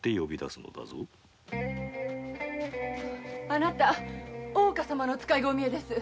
あなた大岡様のお使いがおみえです。